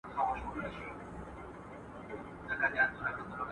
خپل ځان له بدو کارونو وساتئ.